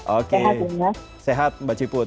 oke sehat mbak ciput